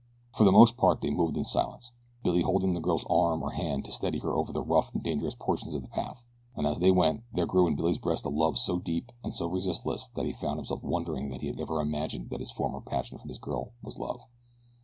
For the most part they moved in silence, Billy holding the girl's arm or hand to steady her over the rough and dangerous portions of the path. And as they went there grew in Billy's breast a love so deep and so resistless that he found himself wondering that he had ever imagined that his former passion for this girl was love.